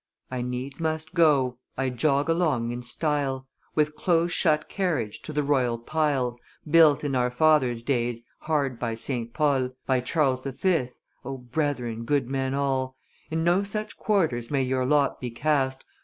I needs must go; I jog along in style, With close shut carriage, to the royal pile Built in our fathers' days, hard by St. Paul, By Charles the Fifth. 0 brethren, good men all, In no such quarters may your lot be cast!